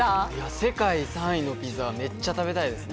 世界３位のピザ、めっちゃ食べたいですね。